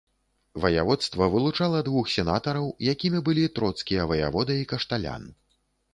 Ваяводства вылучала двух сенатараў, якімі былі троцкія ваявода і кашталян.